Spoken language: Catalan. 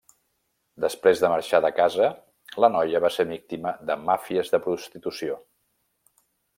Després de marxar de casa la noia va ser víctima de màfies de prostitució.